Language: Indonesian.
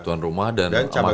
tuan rumah dan emas emasnya